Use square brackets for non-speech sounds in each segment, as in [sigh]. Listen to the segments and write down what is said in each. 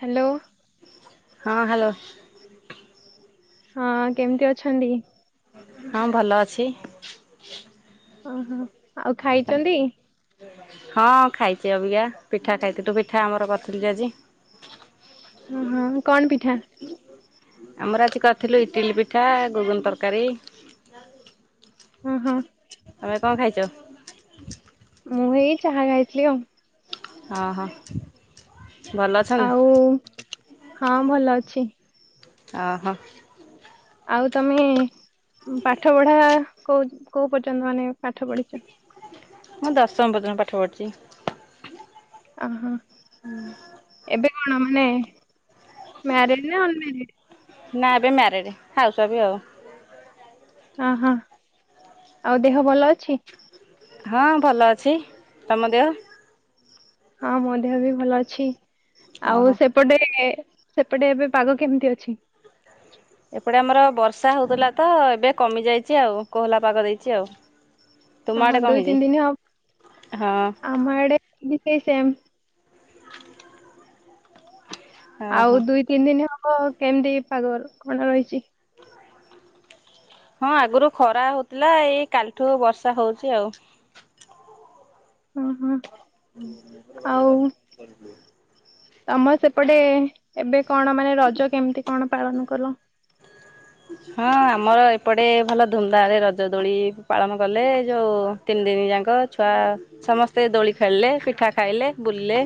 Hello. ହଁ hello. ହଁ କେମିତି ଅଛନ୍ତି? ହଁ ଭଲ ଅଛି। ଓହୋ। ଆଉ ଖାଇଚନ୍ତି? ହଁ ଖାଇଚି ଅବିକା ପିଠା ଖାଇଥିଲୁ ପିଠା ଆମର କରିଥିଲୁ ଯେ ଆଜି। ଓ ହଁ। କଣ ପିଠା? ଆମର ଆଜି କରିଥିଲୁ ଇଟିଲି ପିଠା ଘୁଗୁନି ତରକାରୀ। ଅ ହଁ। ତମେ କଣ ଖାଇଚ? ମୁଁ ହେଇ ଚାହା ଖାଇଥିଲି ଆଉ। ଅ ହ। ଆଉ ହଁ ଭଲ ଅଛି। ଅ ହ। ଆଉ ତମେ ପାଠ ପଢା କୋଉ କୋଉ ପର୍ଯ୍ୟନ୍ତ ମାନେ ପାଠ ପଢିଚ? ମୁଁ ଦଶମ ପର୍ଯ୍ୟନ୍ତ ପାଠ ପଢିଚି। ଅ ହଁ। ହୁଁ। ଏବେ କଣ ମାନେ ମ୍ୟାରେଡ ନା ଅନ ମ୍ୟାରେଡ? ନା ଏବେ ମ୍ୟାରେଡ। ହାଉସୱାଇଫ ଆଉ। ଅ ହଁ। ଆଉ ଦେହ ଭଲ ଅଛି? ହଁ ଭଲ ଅଛି। ତମ ଦେହ? ହଁ ମୋ ଦେହ ବି ଭଲ ଅଛି। ଆଉ ଓହୋ ସେ ସେପଟେ ସେପଟେ ଏବେ ପାଗ କେମିତି ଅଛି? ଏପଟେ ଆମର ବର୍ଷା ହଉଥିଲା ତ ଏବେ କମିଯାଇଚି ଆଉ କୋହଲା ପାଗ ଦେଇଚି ଆଉ। ତୁମ ଓହୋ ଆଡେ କଣ ଦୁଇ ହେଇଛି? ତିନି ଦିନ ହବ ହଁ। ଆମ ଆଡ଼େ ବି ସେଇ ସେମ୍। [inaudible] ହଁ ଆଉ ହଁ। ଦୁଇ ତିନି ଦିନ ହବ କେମିତି ପାଗ କଣ ରହିଚି? ହଁ ଆଗରୁ ଖରା ହଉଥିଲା ଏଇ କାଲିଠୁ ବର୍ଷା ହଉଛି ଆଉ। ଅ ହଁ। ଆଉ ତମର ସେପଟେ ଏବେ କଣ ମାନେ ରଜ କେମିତି କଣ ପାଳନ କଲ? ହଁ ଆମର ଏପଟେ ଭଲ ଧୁମଧାମରେ ରଜ ଦୋଳି ପାଳନ କଲେ। ଯୋଉ ତିନି ଦିନ ଯାକ ଛୁଆ ସମସ୍ତେ ଦୋଳି ଖେଳିଲେ ପିଠା ଖାଇଲେ ବୁଲିଲେ।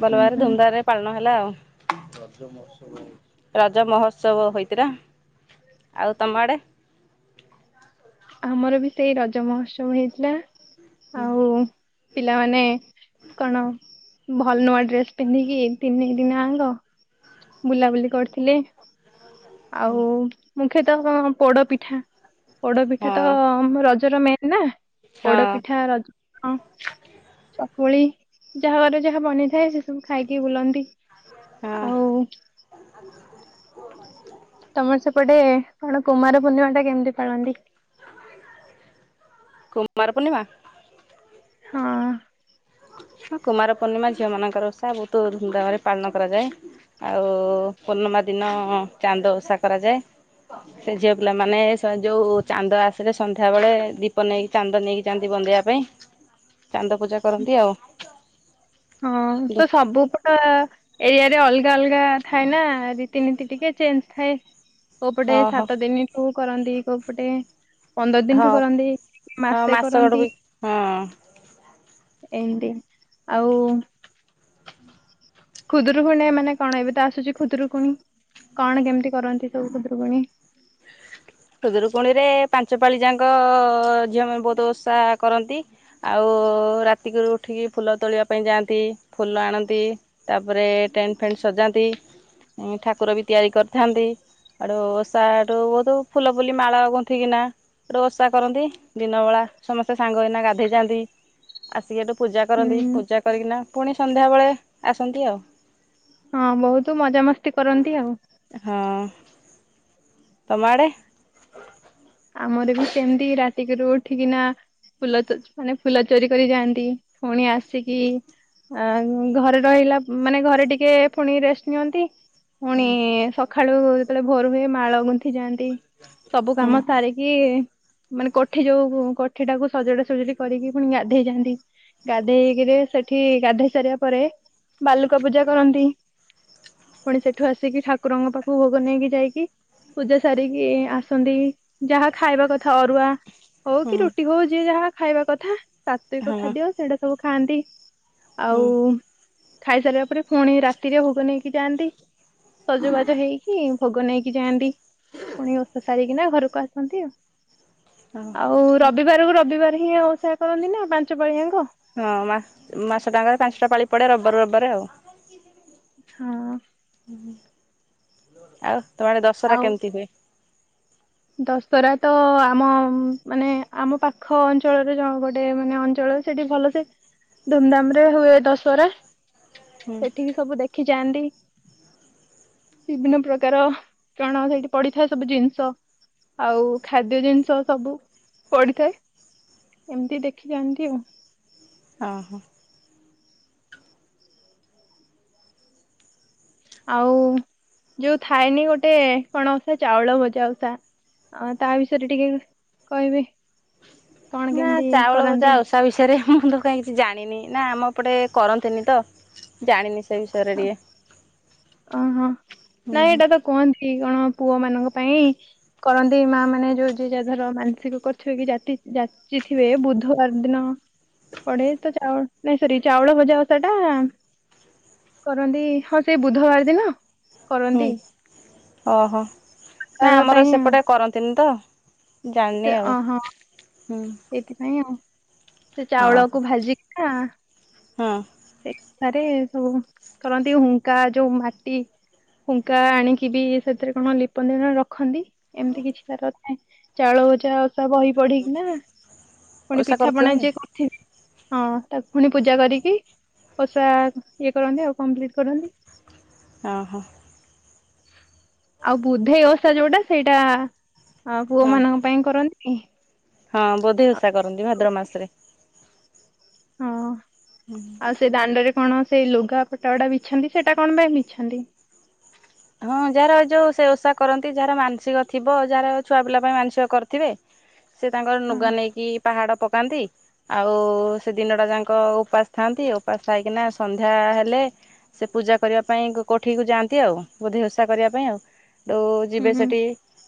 ଭଲ ହୁଁ ଭାବରେ ହୁଁ ଧୁମଧାମରେ ପାଳନ ହେଲା ଆଉ। ରଜ ମହୋତ୍ସବ ହେଇଥିଲା। ଆଉ ତମ ଆଡେ? ଆମର ବି ସେଇ ରଜ ମହୋତ୍ସବ ହେଇଥିଲା। ହଁ। ଆଉ ପିଲାମାନେ କଣ ଭଲ ନୂଆ ଡ୍ରେସ୍ ପିନ୍ଧିକି ଏଇ ତିନି ଦିନ ଆଙ୍କ ବୁଲାବୁଲି କରିଥିଲେ। ଆଉ ମୁଖ୍ୟତଃ ପୋଡପିଠା ପୋଡପିଠା ତ ହଁ ରଜ ରଜ ର ମେନ୍‌ ନା। ପୋଡ ପିଠା ରଜ ଚକୁଳି ଯାହା ଘରେ ଯାହା ବନିଥାଏ ସେ ସବୁ ଖାଇକି ବୁଲନ୍ତି। ହଁ ଆଉ [inaudible] ତମର ସେପଟେ କଣ କୁମାର ପୂର୍ଣ୍ଣିମା ଟା କେମିତି ପାଳନ୍ତି? କୁମାର ପୂର୍ଣ୍ଣିମା? ହଁ-ଅ-ଅ ହଁ କୁମାର ପୂର୍ଣ୍ଣିମା ଝିଅମାନଙ୍କର ଓଷା। ବହୁତ ଧୁମଧାମରେ ପାଳନ କରାଯାଏ। ଆଉ-ଉ-ଉ-ଉ ପୂର୍ଣ୍ଣିମା ଦିନ-ଅ-ଅ ଚାନ୍ଦ ଓଷା କରାଯାଏ। ସେ ଝିଅ ପିଲାମାନେ ତେ ଯୋଉ-ଉ-ଉ-ଉ ଚାନ୍ଦ ଆସିଲେ ସନ୍ଧ୍ୟା ବେଳେ ଦୀପ ନେଇକି ଚାନ୍ଦ ନେଇକି ଯାନ୍ତି ବନ୍ଦେଇବା ପାଇଁ। ଚାନ୍ଦ ପୂଜା କରନ୍ତି ଆଉ। ହଁ ତ ସବୁ ପ-ଅ-ଅ-ଅ ଏରିଆରେ ଅଲଗା ଅଲଗା ଥାଏ ନା ରୀତିନୀତି ଟିକେ ଚେଞ୍ଜ୍ ଥାଏ। କୋଉ ପଟେ ହଁ ହଁ ସାତ ଦିନଠୁ କରନ୍ତି, କୋଉ ପଟେ ପନ୍ଦର ଦିନଠୁ ହଁ କରନ୍ତି, ହଁ ମାସେ ମାସ ଗଡ ବି କରନ୍ତି। ହଁ। ଏମତି ଆଉ-ଉ-ଉ ଖୁଦୁରୁକୁଣୀ ମାନେ କଣ ଏବେ ତ ଆସୁଛି ଖୁଦୁରୁକୁଣୀ କଣ କେମିତି କରନ୍ତି ସବୁ ଖୁଦୁରୁକୁଣୀ? ଖୁଦୁରୁକୁଣୀରେ ପାଞ୍ଚପାଳି ଯାଙ୍କ-ଅ-ଅ-ଅ ଝିଅମାନେ ବହୁତ ଓଷା କରନ୍ତି। ଆଉ-ଉ-ଉ-ଉ-ଉ ରାତିକୁରୁ ଉଠିକି ଫୁଲ ତୋଳିବା ପାଇଁ ଯାଆନ୍ତି, ଫୁଲ ଆଣନ୍ତି। ତାପରେ ଟେଣ୍ଟ ଫେଣ୍ଟ ସଜାନ୍ତି। ଉ ଠାକୁର ବି ତିଆରି କରିଥାନ୍ତି। ଆଡ଼ୁ ଓଷାଠୁ ବହୁତ ଫୁଲ ଫୁଲି ମାଳ ଗୁନ୍ଥି କିି ନା ହେଟୁ ଓଷା କରନ୍ତି ଦିନ ବେଳା ସମସ୍ତେ ସାଙ୍ଗ ହେଇନା ଗାଧେଇ ଯାଆନ୍ତି ଆସିକି ଏଠୁ ପୂଜା ହୁଁ କରନ୍ତି। ପୂଜା କରିକିନା ପୁଣି ସନ୍ଧ୍ୟାବେଳେ ଆସନ୍ତି ଆଉ। ହଁ ବହୁତ ମଜାମସ୍ତି କରନ୍ତି ଆଉ। ହଁ। ତମଆଡ଼େ? ଆମର ବି ସେମିତି ରାତିକରୁ ଉଠିକିନା ଫୁଲ ତୋ ମାନେ ଫୁଲ ଚୋରି କରି ଯାଆନ୍ତି। ପୁଣି ଆସିକି ଆ ଘରେ ରହିଲା ମ ମାନେ ଘରେ ଟିକେ ପୁଣି ରେଷ୍ଟ ନିଅନ୍ତି। ପୁଣି-ଇ-ଇ-ଇ ସକାଳୁ ଯେତେବେଳେ ଭୋର ହୁଏ ମାଳ ଗୁନ୍ଥି ଯାଆ ନ୍ତି ସବୁ ହଁ କାମ ସାରିକି ମାନେ କୋଠି ଯୋଉ-ଉ-ଉ କୋଠି ଟାକୁ ସଜଡା ସଜିଡି କରିକି ପୁଣି ଗାଧେଇ ଯାଆନ୍ତି। ଗାଧେଇକିରି ସେଠି ଗାଧେଇ ସାରିବା ପରେ ବାଲୁକା ପୂଜା କରନ୍ତି। ପୁଣି ସେଠୁ ଆସିକି ଠାକୁରଙ୍କ ପାଖକୁ ଭୋଗ ନେଇକି ଯାଇକି ପୂଜା ସାରିକି ଆସନ୍ତି। ଯାହା ଖାଇବା କଥା ଅରୁଆ ହଉ କି ହୁଁ। ରୁଟି ହଉ ଯିଏ ଯାହା ଖାଇବା କଥା ସାତ୍ଵିକ ହଁ ଖାଦ୍ୟ ସେଇଟା ସବୁ ଖାଆନ୍ତି। ହଁ ଆଉ ଖାଇସାରିବା ପରେ ପୁଣି ରାତିରେ ଭୋଗ ନେଇକି ଯାଆନ୍ତି। ସଜବାଜ ହେଇକି ଭୋଗ ନେଇକି ଯାଆନ୍ତି। ପୁଣି ଓଷା ସାରିକିନା ଘରକୁ ଆସନ୍ତି ଆଉ। ଆଉ ରବିବାରକୁ ରବିବାର ହି ଓସା କରନ୍ତି ନା ପାଞ୍ଚ ପାଳି ଯାଙ୍କ। ହଁ ମା ମାସଟା ଙ୍କରେ ପାଞ୍ଚଟା ପାଳି ପଡେ ରବିବାର କୁ ରବିବାରେ ଆଉ। ହଁ। ଆଉ ତମ ଆଡ଼େ ଦଶହରା ଆଉ କେମିତି ହୁଏ। ଦଶହରା ତ ଆମ ମାନେ ଆମ ପାଖ ଅଞ୍ଚଳରେ ଜଣ ଗୋଟେ ମାନେ ଅଞ୍ଚଳ ସେଠି ଭଲ ସେ ଧୁମଧାମରେ ହୁଏ ଦଶହରା। ହୁଁ ସେଠିକ୍ ସବୁ ଦେଖି ଯାଆନ୍ତି। ବିଭିନ୍ନ ପ୍ରକାର ଚଣା ସେଇଠି ପଡିଥାଏ ସବୁ ଜିନିଷ ଆଉ ଖାଦ୍ୟ ଜିନିଷ ସବୁ ପଡିଥାଏ। ଏମିତି ଦେଖି ଯାଆନ୍ତି ଆଉ। ଓହୋ, ଆଉ-ଉ-ଉ ଯୋଉ ଥାଏନି ଗୋଟେ କଣ ଅସା ଚାଉଳ ଭଜା ଓସା। ହ ତା ବିଷୟରେ ଟିକେ କହିବେ। କଣ ନା କେମିତି ଚାଉଳ ଭଜା କରନ୍ତି ଆଉ ତା ବିଷୟରେ ମୁଁ ତ କାହିଁ କିଛି ଜାଣିନି ନା ଆମ ଏପଟେ କରନ୍ତିନି ତ ଜାଣିନି। ସେଇ ବିଷୟରେ ଟିକେ ଓହୋ ହୁଁ ନାଇଁ ହୁଁ ଏଇଟା ତ କୁହନ୍ତି କଣ ପୁଅ ମାନଙ୍କ ପାଇଁ କରନ୍ତି ମା ମାନେ ଯୋଉ ଯିଏ ଯା ଧର ମାନସିକ କରିଥିବ କି ଜାତି ଜିଏ ଥିବେ ବୁଧବାର ଦିନ ପଡେ ତ ଚାଉଳ ନାଇଁ ସରି ଚାଉଳ ଭଜା ଭଷା ଟା କରନ୍ତି ହଁ ସେଇ ବୁଧବାର ଦିନ ହୁଁ କରନ୍ତି ଓହୋ ନା ତାର ଆମର ପାଇଁ ଆଉ ସେପଟେ କରନ୍ତିନି ତ। ଜାଣିନି ସେ ଆଉ ଅହଁ ହୁଁ ସେଇଥିପାଇଁ ଆଉ ସେ ଚାଉଳକୁ ଭାଜିକିନା ହୁଁ ହୁଁ। ସେଠାରେ ସବୁ କରନ୍ତି ହୁଙ୍କା ଯୋଉ ମାଟି ହୁଁଙ୍କା ଆଣିକି ବି ସେଥିରେ କଣ ଲିପନ୍ତି ନା ରଖନ୍ତି ଏମିତି କିଛି ତାର ଥାଏ। ଚାଉଳ ଭଜା ଓଷା ବହି ପଢିକିନା ପୁଣି ଓଷା ପିଠା କରୁଛନ୍ତି ପଣା ଯିଏ ହଁ ତାକୁ ପୁଣି ପୂଜା କରିକି ଓଷା ଇଏ କରନ୍ତି ଆଉ କମ୍ପ୍ଲିଟ କରନ୍ତି। ଓହୋ। ଆଉ ବୁଦ୍ଧେଇ ଓଷା ଯୋଉଟା ସେଇଟା ହଁ ପୁଅମାନଙ୍କ ପାଇଁ କରନ୍ତି। ହଁ ବୁଧେଇ ଭଷା କରନ୍ତି ଭାଦ୍ରବ ମାସରେ। ହଁ। [inaudible] ଆଉ ସେ ଦାଣ୍ଡରେ କଣ ସେ ଲୁଗା ପଟା ଗୁଡା ବିଛାନ୍ତି ସେଟା କଣ ପାଇଁ ବିଛାନ୍ତି? ହଁ ଯାହାର ଏ ଯୋଉ ସେ ଓଷା କରନ୍ତି ଯାହାର ମାନସିକ ଥିବ ଯାହାର ଛୁଆ ପିଲା ପାଇଁ ମାନସିକ କରିଥିବେ ସେ ତାଙ୍କର ହଁ ନୁଗା ନେଇକି ପାହାଡ ପକାନ୍ତି। ଆଉ ସେ ଦିନଟା ଯାଙ୍କ ଉପାସ ଥାଆନ୍ତି ଉପାସ ଥାଇକିନା ସନ୍ଧ୍ୟା ହେଲେ ସେ ପୂଜା କରିବା ପାଇଁ କୋଠିକୁ ଯାଆନ୍ତି ଆଉ। ବୁଧେଇଓସା କରିବା ପାଇଁ ଆଉ ତଉ ହୁଁ ଯିବେ ହୁଁ ସେଠି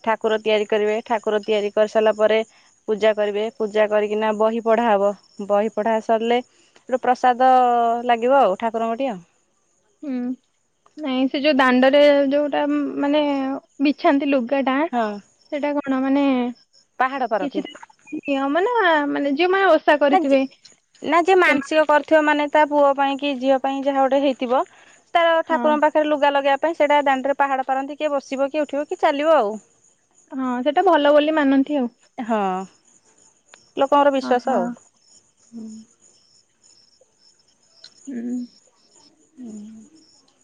ଠାକୁର ତିଆରି କରିବେ ଠାକୁର ତିଆରି କରିସାରିଲା ପରେ ପୂଜା କରିବେ ପୂଜା କରିକିନା ବହି ପଢା ହବ ବହି ପଢା ସରିଲେ ସେଠୁ ପ୍ରସାଦ ଲାଗିବ ଆଉ ଠାକୁରଙ୍କଠି ଆଉ। ହୁଁ ନାଇଁ ସେ ଯୋଉ ଦାଣ୍ଡରେ ଯୋଉଟା ମାନେ ବିଛାନ୍ତି ଲୁଗା ଟା ହଁ ସେଟା କଣ ମାନେ ପାହାଡ଼ ପାରନ୍ତି କିଛି ତାର କ ନିୟମ ନା ମାନେ ଯଉ ମାନେ ନା ଯେ ନା କିଏ ମାନସିକ କରିଥିବ ମାନେ ତା ପୁଅ ପାଇଁ କି ଝିଅ ପାଇଁ ଯାହା ଗୋଟେ ହେଇଥିବ ତାର ହଁ ଠାକୁରଙ୍କ ପାଖରେ ଲୁଗା ଲଗେଇବା ପାଇଁ ସେଇଟା ଦାଣ୍ଡରେ ପାହାଡ଼ ପାରନ୍ତି କିଏ ବସିବ କିଏ ଉଠିବ କି ଚାଲିବ ଆଉ। ହଁ ସେଇଟା ଭଲ ବୋଲି ମାନନ୍ତି ଆଉ। ହଁ ଲୋକଙ୍କର ହଁ ବିଶ୍ୱାସ ହଁ ଆଉ। ହୁଁ। ହୁଁ।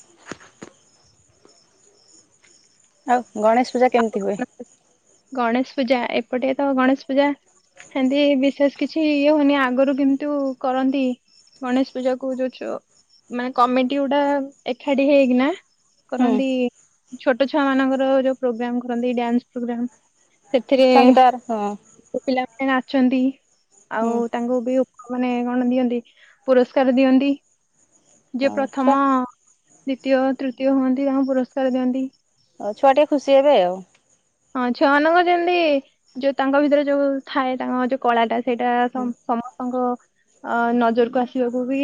[inaudible] ଆଉ ଗଣେଶ ପୂଜା ଆଉ କେମିତି କଣ ହୁଏ? ଗଣେଶ ପୂଜା ଏପଟେ ତ ଗଣେଶ ପୂଜା ସେତି ବିଶେଷ କିଛି ଇଏ ହୁଏନି ଆଗରୁ କିନ୍ତୁ କରନ୍ତି। ଗଣେଶ ପୂଜା କୁ ଯୋଉଛ ମାନେ କମେଟି ଗୁଡା ଏକାଠି ହେଇକି ନା ହୁଁ କରନ୍ତି ଛୋଟ ଛୁଆ ମାନଙ୍କର ଯୋଉ ପ୍ରୋଗ୍ରାମ କରନ୍ତି ଡ୍ୟାନ୍ସ ପ୍ରୋଗ୍ରାମ। ସେଥିରେ ସଙ୍ଗୀତର ହଁ ପିଲାମାନେ ନାଚନ୍ତି ଆଉ ହୁଁ ତାଙ୍କୁ ବି ମାନେ କଣ ଦିଅନ୍ତି ପୁରସ୍କାର ଦିଅନ୍ତି ଯିଏ ହଉ ଛୁଆ ପ୍ରଥମ ଦ୍ୱତୀୟ ତୃତୀୟ ହୁଅନ୍ତି ତାଙ୍କୁ ପୁରସ୍କାର ଦିଅନ୍ତି। ହଉ ଛୁଆ ଟିକେ ଖୁସି ହେବେ ଆଉ। ହଁ ଛୁଆମାନଙ୍କ ଯେମିତି ଯୋଉ ତାଙ୍କ ଭିତରେ ଯୋଉ ଥାଏ ତାଙ୍କ ଯୋଉ କଳା ଟା ସେଇଟା ହୁଁ ସମସ୍ତଙ୍କ ଅ ନଜରକୁ ଆସିବାକୁ ବି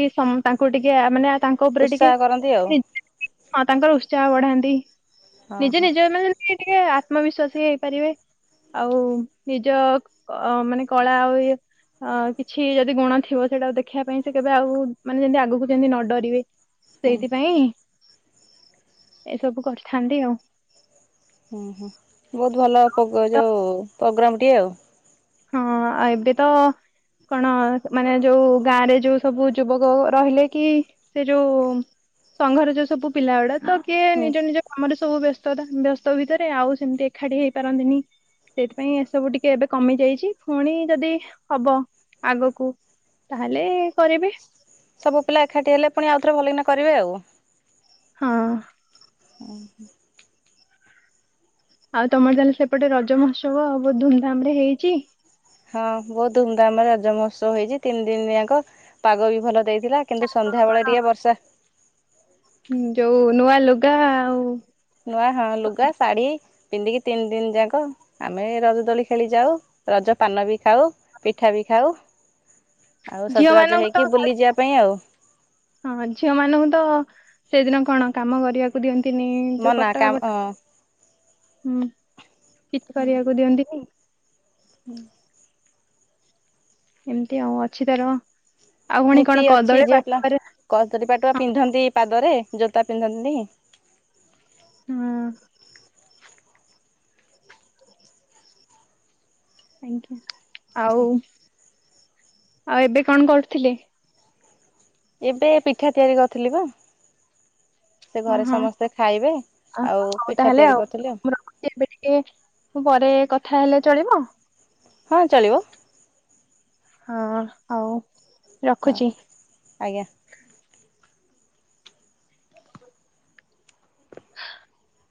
ତାଙ୍କୁ ଟିକେ ମାନେ ତାଙ୍କ ଉପରେ ଟିକେ ଉତ୍ସାହ କରନ୍ତି ଆଉ ହଁ ତାଙ୍କର ଉତ୍ସାହ ବଢାନ୍ତି ହଁ ନିଜେ ହଁ ନିଜ ମାନେ ଟିକେ ଆତ୍ମବିଶ୍ୱାସୀ ହେଇପାରିବେ ଆଉ ନିଜ ମାନେ କଳା ଆଉ ଇଏ ଅ କିଛି ଯଦି ଗୁଣ ଥିବ ସେଇଟା ଦେଖିବା ପାଇଁ ସେ କେବେ ଆଉ ମାନେ ଯେମିତି ଆଗକୁ ଯେମିତି ନ ଡରିବେ। ହୁଁ ସେଇଥିପାଇଁ ଏସବୁ କରିଥାନ୍ତି ଆଉ। ହୁଁ ହୁଁ ବହୁତ୍ ଭଲ ପୋଗୋ ତ ଯୋଉ ପ୍ରୋଗ୍ରାମ ଟିଏ ଆଉ। ହଁ ଏବେ ତ କଣ ମାନେ ଯୋଉ ଗାଁ ରେ ଯୋଉ ସବୁ ଯୁବକ ରହିଲେ କି ସେ ଯୋଉ ସଂଘର ଯୋଉ ସବୁ ପିଲା ଗୁଡା ତ କିଏ ହୁଁ। ନିଜ ନିଜ ଆମର ସବୁ ବ୍ୟସ୍ତତା ବ୍ୟସ୍ତ ଭିତରେ ଆଉ ସେମିତି ଏକାଠି ହେଇପାରନ୍ତିନି। ସେଥିପାଇଁ ଏସବୁ ଟିକେ ଏବେ କମି ଯାଇଛି। ଆ ପୁଣି ଯଦି ହବ ଆଗକୁ ତାହେଲେ କରିବେ। ସବୁ ପିଲା ଏକାଠି ହେଲେ ପୁଣି ଆଉଥରେ ଭଲକିନା କରିବେ ଆଉ। ହଁ। ହଁ ହଁ ଆଉ ତମର ତାହେଲେ ସେପଟେ ରଜ ମହୋତ୍ସବ ବହୁତ ଧୁମ୍ ଧାମ୍ ରେ ହେଇଛି? ହଁ ବହୁତ୍ ଧୁମଧାମରେ ରଜ ମହୋତ୍ସବ ହେଇଛି ତିନି ଦିନ ଜାଙ୍କ ପାଗ ବି ଭଲ ଦେଇ ଥିଲା କିନ୍ତୁ ସନ୍ଧ୍ୟାବେଳେ ଟିକେ ବର୍ଷା। ହଁ ଯୋଉ ନୂଆ ଲୁଗା ଆଉ ନୂଆ ହଁ ଲୁଗା, ଶାଢ଼ୀ। ପିନ୍ଧିକି ତିନି ଦିନ ଯାକ ଆମେ ରଜ ଦୋଳି ଖେଳି ଯାଉ ରଜ ପାନ ବି ଖାଉ। ପିଠା ବି ଖାଉ। [inaudible] ଆଉ ସଜବାଜ ମାନଙ୍କୁ ତ ହେଇକି ବୁଲି ଯିବା ପାଇଁ ଆଉ। ହଁ ଝିଅ ମାନଙ୍କୁ ତ ସେଇଦିନ କଣ କାମ କରିବାକୁ ଦିଅନ୍ତିନି ଯୋଉ ମନା କଟା କାମ ବଟା ହୁଁ। ଚିଟ୍ କରିବାକୁ ଦିଅନ୍ତି ନି? ହୁଁ। ଏମିତି ଆଉ ଅଛି ତାର ଆଉ ପୁଣି କଣ କଦଳୀ ପାଟୁଆ ରେ କଦୁରୀପଟୁଆ ପିନ୍ଧନ୍ତି ପାଦରେ ଜୋତା ପିନ୍ଧନ୍ତିନି ହଁ। ଆଜ୍ଞା ଆଉ ଆଉ ଏବେ କଣ କରୁଥିଲେ? ଏବେ ପିଠା ତିଆରି କରିଥିଲି ବା। ସେ ହଁ ଘରେ ହଁ ସମସ୍ତେ ଖାଇବେ ଅ ଆଉ ହଉ ପିଠା ତାହେଲେ ତିଆରି କରୁଥିଲେ ଆଉ। ମୁଁ ଏବେ ଟିକେ ପରେ କଥା ହେଲେ ଚଳିବ। ହଁ ଚଳିବ। ହଁ ହଉ ହଁ ରଖୁଚି। ଆଜ୍ଞା। [inaudible]